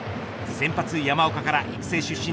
先発山岡から育成出身